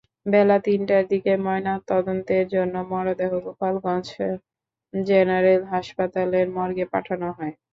বেলা তিনটার দিকে ময়নাতদন্তের জন্য মরদেহ গোপালগঞ্জ জেনারেল হাসপাতালের মর্গে পাঠানো হয়।